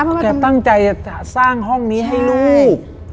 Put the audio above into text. แกตั้งใจจะสร้างห้องนี้ให้ลูก